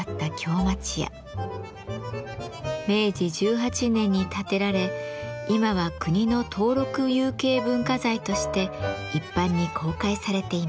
明治１８年に建てられ今は国の登録有形文化財として一般に公開されています。